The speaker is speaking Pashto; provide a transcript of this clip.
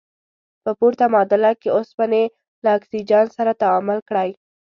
په پورته معادله کې اوسپنې له اکسیجن سره تعامل کړی.